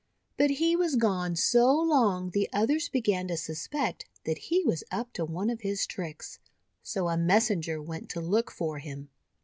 But he was gone so long the others began to suspect that he was up to one of his tricks. So a messenger went to look for him.